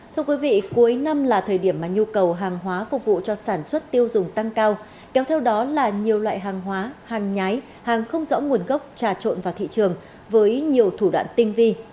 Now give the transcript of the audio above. thưa quý vị cuối năm là thời điểm mà nhu cầu hàng hóa phục vụ cho sản xuất tiêu dùng tăng cao kéo theo đó là nhiều loại hàng hóa hàng nhái hàng không rõ nguồn gốc trà trộn vào thị trường với nhiều thủ đoạn tinh vi